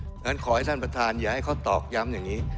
งั้นขอให้ท่านประธานอย่าให้เขาตอกย้ำอย่างนี้